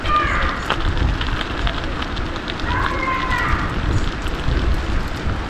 შედის ეკონომიკურ-სტატისტიკურ მიკრორეგიონ მაკაიბის შემადგენლობაში.